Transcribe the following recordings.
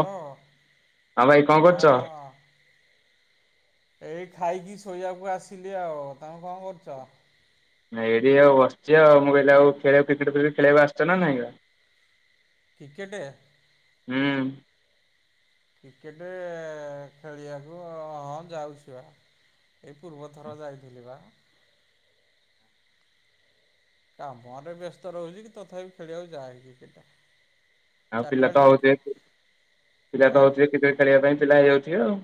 ହଁ। ହଁ ଭାଇ କଣ କରୁଚ? ଏଇ ଖାଇକି ଶୋଇବାକୁ ଆସିଲି ଆଉ। ତୋମେ କଣ କରୁଚ? ନାଇଁ ଏଇଠି ଆଉ ବସିଛି ଆଉ। ମୁଁ କହିଲି ଆଉ ଖେଳ କ୍ରିକେଟ୍ ଫ୍ରିକେଟ ଖେଳିବାକୁ ଆସଚ ନା ନାହିଁ ବା? କ୍ରିକେଟେ? ହୁଁ। କ୍ରିକେଟେ ଖେଳିବାକୁ ଯାଉଛୁ ବା। ଏଇ ପୂର୍ବଥର ଯାଇଥିଲି ବା। କାମରେ ବ୍ୟସ୍ତ ରହୁଚି କି ତଥାପି ଖେଳିବାକୁ ଯାଏ କ୍ରିକେଟ୍। ଆଉ ଚାରିଟା ପିଲା ତ ବେଳେ ଟିକେ ହଉଥିବେ। [inaudible] ପିଲା ଆଁ ତ ହଉଥିବେ କ୍ରିକେଟ୍ ଖେଳିବା ପାଇଁ ପିଲା ହେଇଯାଉଥିବେ ଆଉ।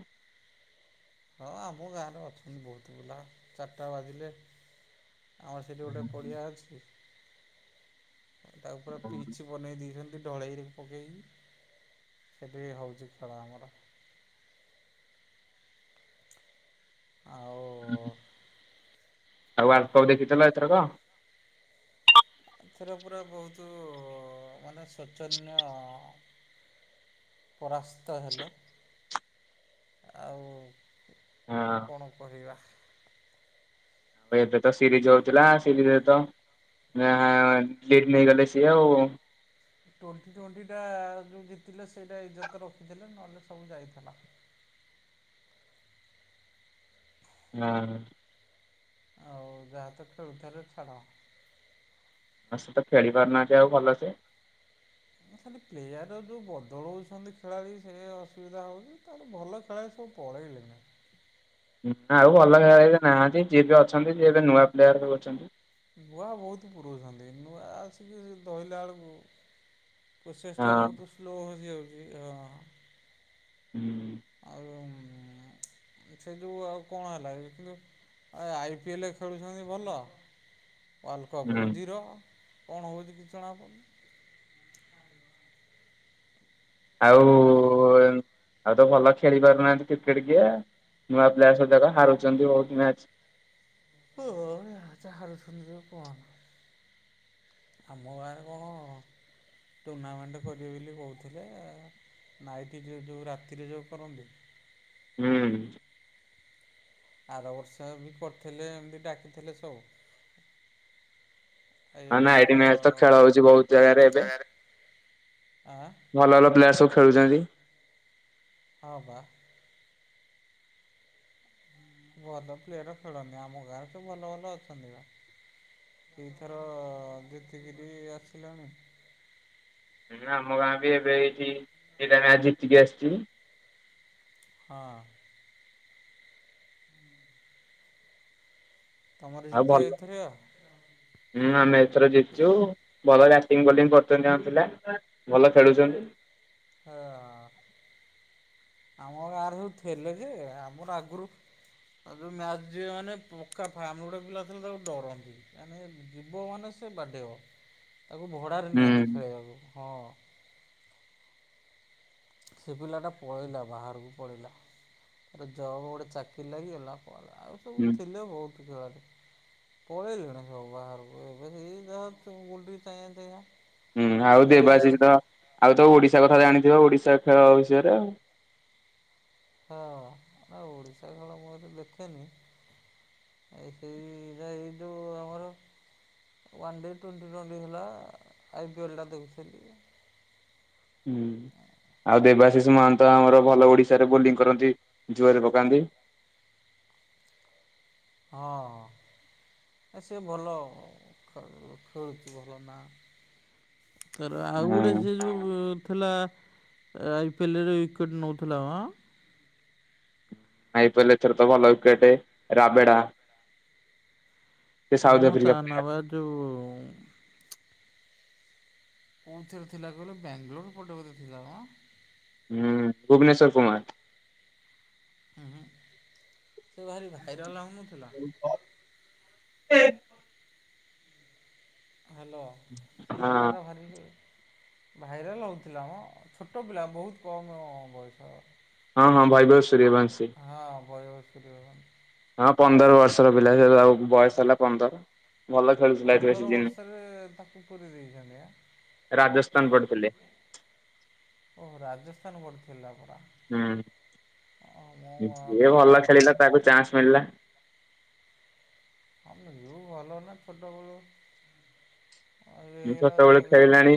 ହଁ ଆମ ଗାଁରେ ଅଛନ୍ତି ବହୁତ ପିଲା। ଚାଟା ବାଜିଲେ ଆମର ସେଠି ଗୋଟେ ପଡିଆ ଅଛି। ତାକୁ ପୁରା ପିଛି ବନେଇ ଦେଇଛନ୍ତି ଢଳେଇରେ ପକେଇକି। ସେଠି ହଉଛି ଖେଳ ଆମର। ଆଉ ଆଉ ୱଲଡକପ ଦେଖିଛନା ଏଥରକ? ଏଥିର ପୁରା ବହୁତ ମାନେ ଶୌଚନ୍ୟ ପରାସ୍ତ ହେଲେ। ଆଉ ହଁ। କଣ କହିବା? ଆଉ ଏବେ ତ ସିରିଜ ହଉଥିଲା ସିରିଜରେ ଚାଟ୍ ନେଇଗଲେ ସିଏ ଆଉ। ଟ୍ୱେଣ୍ଟି ଟ୍ୱେଣ୍ଟି ଟା ଯେଉଁ ଜିତିଲେ ସେଇଟା ଇଜ୍ଜତ ରଖିଦେଲେ। ନହେଲେ ସବୁ ଯାଇଥିଲା। ନା। ଆଉ ଯାହା ତ ଖେଳୁଥିଲେ ଛାଡ଼ା। ଆ ସେ ତ ଖେଳି ପାରୁନାହାନ୍ତି ଆଉ ଭଲସେ। ଖଲି ପ୍ଲେୟାର ଯଉ ବଦଳଉଛନ୍ତି ଖେଳାଳି ସେ ଅସୁବିଧା ହଉଛି। ତାହେଲେ ଭଲ ଖେଳାଳି ସବୁ ପଳେଇଲେନା। ଆଉ ଭଲ ଖେଳାଳି ଏବେ ନାହାନ୍ତି। ଯିଏ ବି ଅଛନ୍ତି ଯିଏ ଏବେ ନୂଆ ପ୍ଲେୟାର ସବୁ ଅଛନ୍ତି। ବୁଆ ବହୁତ ପୁୁରୋଉଛନ୍ତି। ନୂଆ ଆସିକି ସେ ଧଇଲା ବେଳକୁ ପ୍ରୋସେସ ଟା ହଁ ବହୁତ ସ୍ଲୋ ହୋସିଯାଉଛି। ହଁ। ହୁଁ। ଆଉ ସେ ଯଉ ଆଉ କଣ ହେଲା ଦେଖିଲୁ? ଆ ଆଇ ପି ଏ ଲ ରେ ଖେଳୁଛନ୍ତି ଭଲ। ୱାଲ୍ କପରେ ହୁଁ। ଜିରୋ। କଣ ହେଉଛି କିଛି ଜଣାପଡୁନି? ଆଉ ଆଉ ତ ଭଲ ଖେଳି ପାରୁନାହାନ୍ତି କ୍ରିକେଟ କିଏ। ନୂଆ ପ୍ଲେୟାର ସବୁ ଯାକ ହାରୁଛନ୍ତି ବହୁତ ମ୍ୟାଚ। ଓ ହୋ ଯାହା ହାରୁଛନ ଯୋ କହନା। ଆମ ଗାଁରେ କଣ ଟୁର୍ଣ୍ଣାମେଣ୍ଟ କରିବେ ବୋଲି କହୁଥିଲେ। ନାଇଟ୍ ଯେଉ ଯେଉ ରାତିରେ ଯେଉ କରନ୍ତି। ହୁଁ। ଆର ବର୍ଷ ବି କରିଥିଲେ ଏମିତି ଡାକିଥିଲେ ସବୁ। ଏ ନା ନା। ବର୍ଷ ଆ ଇ ଡି ମ୍ୟାଚ ତ ଖେଳ ହଉଛି ବହୁତ ଜାଗାରେ ଏବେ। ଆଁ। ଭଲ ଭଲ ପ୍ଲେୟାର ସବୁ ଖେଳୁଛନ୍ତି। ହଁ ବା। ଭଲ ପ୍ଲେୟର ଖେଳନ୍ତିି। ଆମ ଗାଁରେ ତ ଭଲ ଭଲ ଅଛନ୍ତି ବା। ଏଥର ଜିତିକିରି ଆସିଲାଣି। ହଁ। ଆମ ଗାଁ ବି ଏବେ ହେଇଛି। ଦିଟା ମ୍ୟାଚ ଜିତିକି ଆସିଛି। ହଁ। ତୁମର ଆଉ ଭଲ ଜିତବେ ଏଥିରେ ଆ। ହୁଁ, ଆମେ ଏଥର ଜିତଛୁ। ଭଲ ଯ ଟିମ୍ ବୋଲିଙ୍ଗ କରୁଛନ୍ତି ଆମ ପିଲା ଭଲ ଖେଳୁଛନ୍ତି। [unintelligible] ଆମ ଗାଁରେ ସବୁ ଥିଲେ ଯେ। ଆମର ଆଗରୁ ଆଉ ଯେଉଁ ମ୍ୟାଚ୍ ଯିବେ ମାନେ ପକା ଫ୍ୟାମିଲ ଗୋଟେ ପିଲା ଥିଲେ ତାକୁ ଡରନ୍ତି। ମେ ଜୀବ ମାନେ ସେ ବାଡେଇବ ତାକୁ ଭଡ଼ାରେ ହୁଁ ନିଅନ୍ତି ଖେଳବାକୁ ହଁ। ସେ ପିଲାଟା ପଳେଇଲା ବାହାରକୁ ପଳେଇଲା। ଜବ୍ ଗୋଟେ ଚାକିରି ଲାଗିଗଲା ଆଉ ସବୁ ହୁଁ ଥିଲେ ବହୁତ ଖେଳାଳି। ପଳେଇଲେଣି ସବୁ ବାହାରକୁ ଏବେ ଗଲ। ହୁଁ ଆଉ ଦେବାସୀଷ ତ ଆଉ ତ ଓଡିଶା କଥା ଜାଣିଥିବ ଓଡିଶା ଖେଳ ବିଷୟରେ ଆଉ। ହଁ ନା ଓଡିଶା ଖେଳ ମୁଁ ଏତ ଦେଖେନି। ଏ ସେଇଟା ଏଇ ଯୋଉ ଆମର ୱାନ୍ ଡେ ଟ୍ୱେଣ୍ଟି ଟ୍ୱେଣ୍ଟି ହେଲା ଆଇ ପିଏଲ୍ଟା ଦେଖୁଥିଲି। ହୁଁ। ଆଉ ଦେବାଶିଷ ମହାନ୍ତ ଆମର ଭଲ ଓଡ଼ିଶାରେ ବୋଲିଂ କରନ୍ତି ଜୁଆରେ ପକାନ୍ତି। ହ ହ। ସେ ଭଲ ଖେଳୁଚି ଭଲ ନା ତାର ଆଉ ଗୋଡେ ହଁ ସେ ଯୋଉ ଥିଲା। ଆଇ ପିଏଲ୍ରରେ ଉଇକେଟ୍ ନଉଥିଲା ଅଁ। ଆଇପିଲ୍ ଥର ତ ଭଲ ୱିକେଟ ରାବେଡା। ସେ ସାଉଥ କଣ ତା ଆଫ୍ରିକା ନା ପ୍ଲେୟାର। ବା ଯୋଉ କୋଉଥିରେ ଥିଲା କହିଲ ବାଙ୍ଗୋଲୋର ପଟେ ବୋଧେ ଥିଲା ମ ହୁଁ ଭୁବନେଶ୍ଵର କୁମାର। ଉଁ ହୁଁ ସେ ଭାରି ଭାଇରାଲ୍ ହେଉନଥିଲା। ଓ ଏ। ହ୍ୟାଲୋ ସେ ହଁ ପିଲାର ଭାରି ଭାଇରାଲ୍ ହଉଥିଲା ମ ଛୋଟ ପିଲା ବହୁତ କମ୍ ବୟସ। ହଁ ହଁ ବୈ [unintelligible] ସୂୁରିଅବଂଶୀ। ହଁ ବୟି ସୁରିୟ ବ ହଁ ପନ୍ଦର ବର୍ଷର ପିଲା ସେ ତା ବୟସ ହେଲା ପନ୍ଦର। ଭଲ ଖେଳୁ ପନ୍ଦର ବର୍ଷରେ ତାକୁ ପୁରେଇ ଦେଇଚନ୍ତି ଆ। ରାଜସ୍ଥାନ ପଢିଥିଲେ। ଓହୋ ରାଜସ୍ଥାନ ବଡିଥିଲା ପରା। ମୋ ହୁଁ ଯିଏ ଭଲ ଧାରଣା ଖେଳିଲା ତାକୁ ଚାନ୍ସ ମିଳିଲା। ଅ ବିୟୁ ଭଲ ହେନେ ଛୋଟ ବୋଳୁ ତା ଛୋଟବେଳୁ ଖେଳିଲାଣି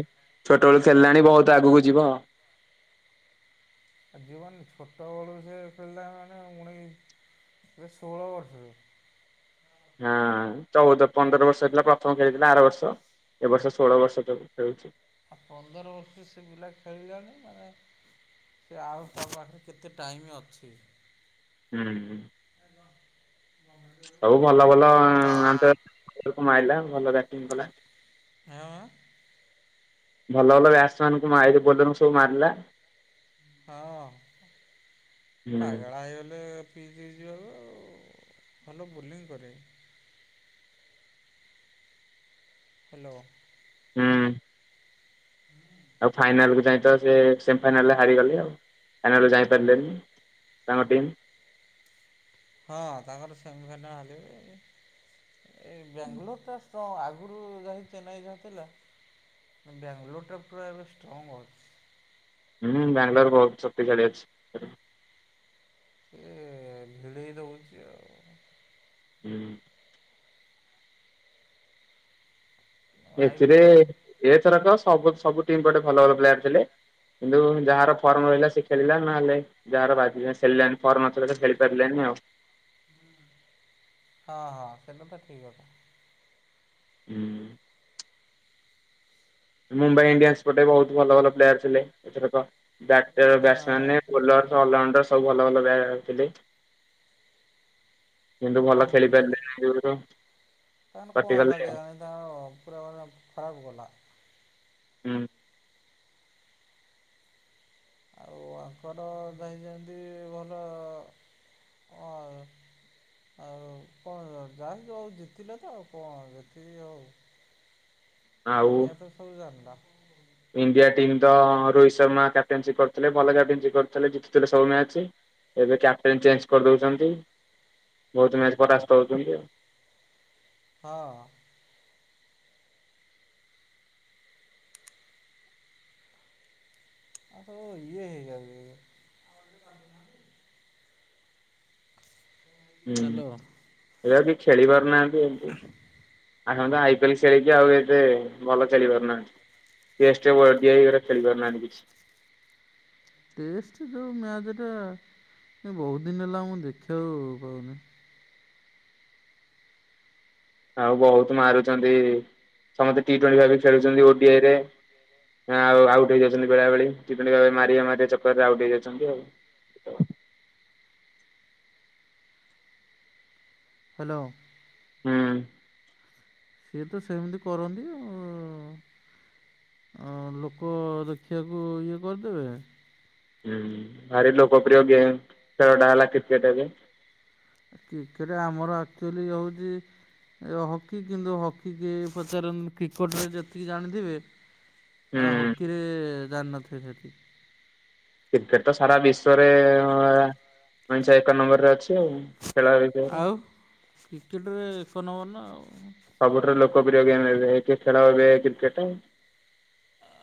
ଛୋଟବେଳୁ ଖେଳିଲାଣି ବହୁତ ଆଗକୁ ଯିବ। ଆଉଯିବନି ଛୋଟବେଳୁ ସେ ଖେଳିଲାଣି ମାନେ ଉଣେଇଶ ଷୋହଳ ବର୍ଷରେ। ହଁ ଚଉଦ ପନ୍ଦର ବର୍ଷ ହେଇଥିଲା ପ୍ରଥମ ଖେଳିଥିଲା ଆର ବର୍ଷ। ଏବ ବର୍ଷ ଷୋହଳ ବର୍ଷ ଖେ ଖେଳୁଚି। ଆ ପନ୍ଦର ବର୍ଷୁ ସେ ପିଲା ଖେଳିଲାଣି ମାନେ ସେ ଆଉ ତା ପାଖେ କେତେ ଟାଇମ୍ ଅଛି। ହୁଁ ହୁଁ। ହ ସବୁ ଭଲ ଭଲ ଆନ୍ତ [inaudible] ମାଇଲା ଭଲ ବ୍ୟା [unintelligible] ଭଲ ଭଲ ବ୍ୟାଟସ୍ ମାନଙ୍କୁ ମାରି ବୋଲକୁ ସବୁ ମାରିଲା। ହଁ ହୁଁ ପାଗଳା ହେଇଗଲେ। ପି ଦେଇ ଯିବାକୁ ଆଉ ଭଲ ବୋଲିଂ କରେ। ହ୍ୟାଲୋ। ହୁଁ। ହୁଁ ଆଉ ଫାଇନାଲ୍କୁ ଯାଇଁ ତ ସେ ସେମି ଫାଇନାଲରେ ହାରିଗଲେ ଆଉ ଫାଇନାଲରେ ଯାଇପାରିଲେନି। ତାଙ୍କ ଟିମ୍। ହଁ ତାଙ୍କର ସେମିଫାଇନାଲ୍ ହାରିଗଲେ ଏଇ ବ୍ୟାଙ୍ଗଲୋର ଟା ତ ଆଗରୁ ଯାଇ ଚେନ୍ନାଇ ଖେଳୁଥିଲେ ବ୍ୟାଙ୍ଗଲୋରଟା ପୁରା ଏବେ ଷ୍ଟ୍ରଙ୍ଗ୍ ଅଛି। ହୁଁ ବାଙ୍ଗଲୋର ବହୁତ ଶକ୍ତିଶାଳି ଅଛି। ଏ ଗିଳେଇ ଦଉଚି ଆଉ। ହୁଁ। ଆଇ ପି ଏଥିରେ ଏଲ୍ ଏଥରକ ସବୁ ସବୁ ଟିମ୍ ଗୋଟେ ଭଲ ଭଲ ପ୍ଲେୟାର ଥିଲେ। କିନ୍ତୁ ଯାହାର ଫର୍ମ ରହିଲା ସେ ଖେଳିଲା ନହେଲେ ଯାହାର ବାଜିଲା ଖେଳିଲାନି। ଫର୍ମ ନଥିଲା ଖେଳିପାରିଲେନି ଆଉ। ହଁ ହଁ ସେଟା ତ ଠିକ୍ ଅଛି। ହୁଁ ମୁମ୍ବାଇ ଇଣ୍ଡିଆନ୍ସ ପଟେ ବହୁତ ଭଲ ଭଲ ପ୍ଲେୟାର ଥିଲେ ଏଥରକ ବ ହଁ ହଁ। Batman bowler. ଅଲଉ ସବୁ ଭଲ ଭଲ ବ୍ୟାଥିଲେ। କିନ୍ତୁ ଭଲ ହଁ ଖେଳି ମୁମ୍ବାଇ ପାରିଲେ ତାଙ୍କର କଣ କଟି ହେଲା କଲେ। କେଜାଣି ପୁରା ଖରାପ ଗଲା। ହୁଁ। ଆଉ ଆଙ୍କର ଯାଇଛନ୍ତି ଭଲ ହ ଆଉ କଣ ଯାନ୍ତୁ ଆଉ ଜିତିଲେ ତ ଆଉ କଣ ଜତିକି ଆଉ [inaudible] ଦୁନିଆ ତ ସବୁ ଜାନ୍ଦ ଇଣ୍ଡିଆ ଟିମ ର ରୋହିତ ଶର୍ମା କ୍ୟାପ୍ଟେନସି କରିଥିଲେ ଭଲ କ୍ୟାପ୍ଟେନସିପ କରିଥିଲେ ଜିତିଥିଲେ ସବୁ ମ୍ୟାଚ ଏବେ କ୍ୟାପଟେନ ଚେଞ୍ଜ କରିଦଉଛନ୍ତି ବହୁତ ମ୍ୟାଚ ପରାସ୍ତ ହଉଛନ୍ତି ଆଉ ହଁ [inaudible] ଆ ଇଏହେଇଜାଉ ହୁଁ ହ୍ୟାଲୋ। ଏବେ କି ଖେଳି ପାରୁନାହାନ୍ତି ଏମିତି ଆଇ ପିଏଲ ଖେଳିକି ଆଉ ଏତେ ଭଲ ଚାଲି ପାରୁନାହାନ୍ତି ଟେଷ୍ଟ ଓଡିଆଇ ଖେଳିପାରୁନାହାଁ କିଛି ଟେଷ୍ଟ ଯେଉଁ ମ୍ୟାଚ୍ଟା ବହୁତ ଦିନ ହେଲା ମୁଁ ଦେଖିବାକୁ ପାହୁନି ଆଉ ବହୁତ ମାରୁଛନ୍ତି ସମସ୍ତେ ଟି ଟଣ୍ଟି ଖେଳୁଛନ୍ତି ଓଡିଆଇ ରେ ହଁ ଆଉ ଆଉଟ ହେଇାଉଛନ୍ତି ବେଳେବେେଳେ କି ମାରିବା ମାରିବା ଚକରରେ ଆଉଟ ହେଇଯାଉଛନ୍ତି ଆଉ ହ୍ୟାଲୋ ହୁଁ ସିଏ ତ ସେମିତି କରନ୍ତି ଆଉ ଆ ଲୋକ ଦେଖିବାକୁ ଇଏ କରିଦେବେ ହୁଁ ଭାର ଲୋକପ୍ରିୟ ଗେମ୍ ଖେଳଟା ହେଲା କ୍ରିକେଟ୍ ଏବେ କ୍ରିକେଟ ଆମର ଆକ୍ଚୁଆଲି ହଉଛି ଏ ହକି କିନ୍ତୁ ହକି କି ପଚାର କ୍ରିକେଟରେ ଯେତିକି ଜାଣିଥିବେ ହୁଁ ନା ହକିରେ ଜାଣିନଥିବ ସେଠି କ୍ରିକେଟ ତ ସାରା ବିଶ୍ଵରେଇଞ୍ଚ ଏକ ନମ୍ବରରେ ଅଛି ଆଉ ଖେଳ ବିଷୟରେ। ଆଉ କ୍ରିକେଟରେ ଏକ ନମ୍ବର ନା ଆଉ ସବୁଠାରୁ ଲୋକପ୍ରିୟ ଗେମ୍ ଏବେ କିଏ ଖେଳ ଏବେ କ୍ରିକେଟ୍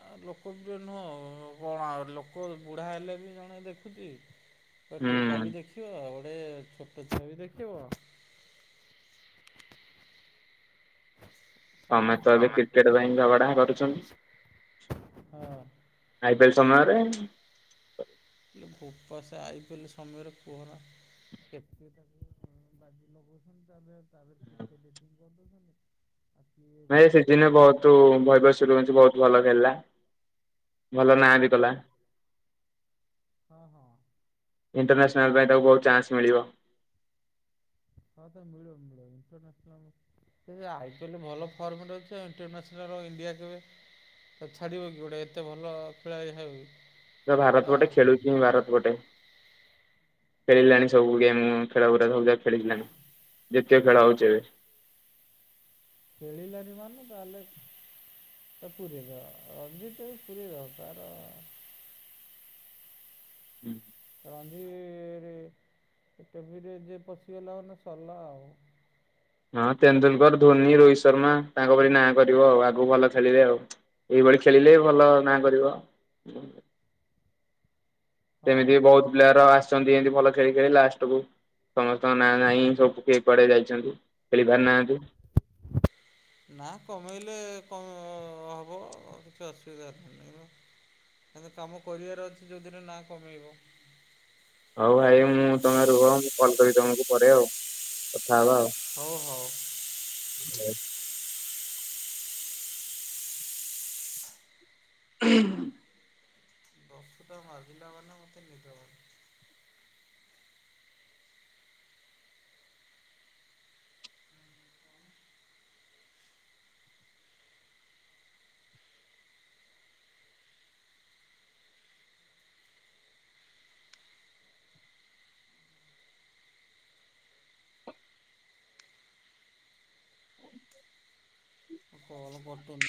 ଆ ଲୋକ ବି ନୁହଁ କଣ ଆଉ ଲୋକ ବୁଢା ହେଲେ ବି ଜଣେ ଦେଖୁଛି ଟୋକା ହୁଁ। ବି ଦେଖିବ ଗୋଟେ ଛୋଟ ଛୁଆ ବି ଦେଖିବ ତମେ ସମସ୍ତେ ତ ଏବେ ଦେଖିବେ କ୍ରିକେଟ ପାଇଁ ଝଗଡା କରୁଛନ୍ତି ହଁ। ଆଇପିଏଲ ସମୟରେ ହେଲେ ଭୂପାସ ଆଇପାରିଲେ ସମୟରେ କୁହରା କେତେ ତା ମିଳେନ ଲଛନ୍ତି ଯ ତ କେେେ କର [inaudible] ନାଇ ସେଦିନ ବହୁତ ବବୈଭବସୁରର୍ୟବ୍ସିରଛି ବହୁତ ଭଲ ଖେଳିଲା ଭଲ ନାହାନ୍ତି କଲା ହଁ ହଁ। ଇଣ୍ଟରନ୍ୟାସନାଲ୍ ପାଇଁ ତାକୁ ବହୁତ ଚାନ୍ସ ମିଳିବ। ହଁ ତାକୁ ମିଳିବ ମିଳିବ ଇଣ୍ଟର ନ୍ୟାସନାଲ। ସେ ଆଇ ପିଏଲ ଭଲ ଫର୍ମରେ ଅଛି ଇଣ୍ଟରନ୍ୟାସନାଲ୍ ଇଣ୍ଡିଆ କେବେ ତ ଛାଡିବ କି ଗୋଟେ ଏତେ ଭଲ ଖେଳାଳି ହବ। ତ ଭାରତ ଗୋଟେ ଖେଳୁଛି ଭାରତ ଗୋଟେ ଖେଳିଲାଣି ସବୁ ଗେମ୍ ଖେଳଗୁଡ଼ା ସବୁ ଯା ଖେଳିଲାଣି ଯେତୀୟ ଖେଳ ହେଉଛି ଏବେ। ଖେଳିଲାନି ମାନେ ତାହେଲେ ତ ପୁରୀର ଅଜିତ୍ ଭାଇ ପୁରୀର ତାର। ହୁଁ [inaudible] ରଞ୍ଜି [unintelligible] ରେ ଯିଏ ପଶିଗଲା ମାନେ ସରିଲା ଆଉ। ହଁ ତେନ୍ଦୁଲକର ଧୋନି ରୋହିତ ଶର୍ମା ତାଙ୍କ ପରି ନାଁ କରିବ ଆଉ ଆଗକୁ ଭଲ ଖେଳିବେ ଆଉ- ଏହିଭଳି ଖେଳିଲେ ଭଲ ନା କରିବ। ହଁ। ସେମିତି ବହୁତ ପ୍ଲେୟର ଆସିଛନ୍ତି ଏମିତି ଭଲ ଖେଳି ଖେଳି ଲାଷ୍ଟ କୁ- ସମସ୍ତଙ୍କ ନାଁ ନାହିଁ, ସବୁ କିଏ କୁଆଡେ ଯାଇଛନ୍ତି ଖେଳି ପାରି ନାହାନ୍ତି। ନା କମେଇଲେ କମ ହବ କିଛି ଅସୁବିଧା ନାହିଁ। କ କାମ କରିବାର ଅଛି ଯୋଉଥିରେ ନା କମେଇବ। ହଉ ଭାଇ ମୁଁ ତମେ ରୁହ, ମୁଁ କଲ କରିବି ତମକୁ ପରେ ଆଉ କଥା ହବା ଆଉ। ହଉ ହଉ। ହଁ [inaudible] ହୁଁ [inaudible] ଦଶୁଟା ବାଜିଲେ ମାନେ ମତେ ନିଦ ହବ ମୁଁ କଲ୍ କଟୁନି।